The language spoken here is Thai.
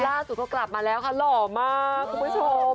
ล่าสุดก็กลับมาแล้วค่ะหล่อมากคุณผู้ชม